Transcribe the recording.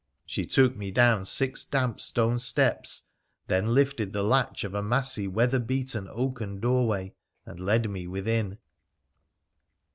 She took me down six damp stone steps, then lifted the latch of a massy, weather beaten, oaken doorway and led me within.